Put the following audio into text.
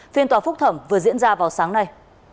phiên tòa phúc thẩm vừa diễn ra vào sáng nay